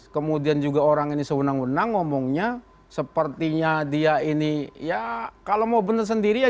kemudian juga orang ini sewenang wenang ngomongnya sepertinya dia ini ya kalau mau bener sendiri aja